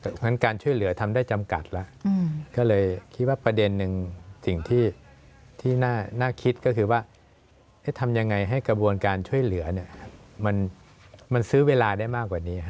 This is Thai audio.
เพราะฉะนั้นการช่วยเหลือทำได้จำกัดแล้วก็เลยคิดว่าประเด็นหนึ่งสิ่งที่น่าคิดก็คือว่าทำยังไงให้กระบวนการช่วยเหลือมันซื้อเวลาได้มากกว่านี้